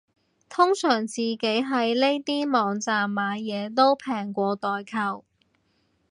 通常自己喺呢啲網站買嘢都平過代購